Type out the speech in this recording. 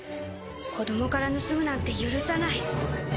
子供から盗むなんて許さない。